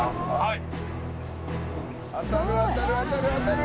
当たる当たる当たる当たる！